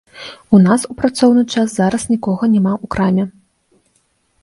У нас у працоўны час зараз нікога няма ў краме.